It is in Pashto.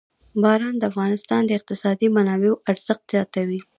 باران د افغانستان د اقتصادي منابعو ارزښت زیاتوي.